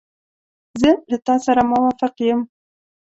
زه له تا سره موافق یم.